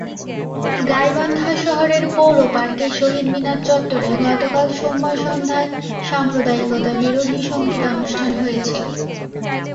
গাইবান্ধা শহরের পৌর পার্কের শহীদ মিনার চত্বরে গতকাল সোমবার সন্ধ্যায় সাম্প্রদায়িকতাবিরোধী সংগীতানুষ্ঠান হয়েছে।